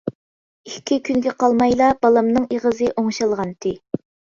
ئىككى كۈنگە قالمايلا بالامنىڭ ئېغىزى ئوڭشالغانتى.